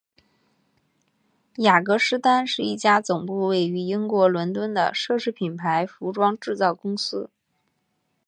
雅格狮丹是一家总部位于英国伦敦的奢侈品牌服装制造公司。